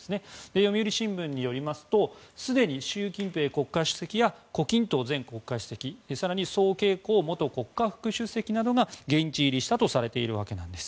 読売新聞によりますとすでに習近平国家主席や胡錦涛前国家主席更に、ソウ・ケイコウ元国家副主席などが現地入りしたとされているわけです。